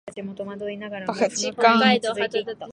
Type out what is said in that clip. ばちかん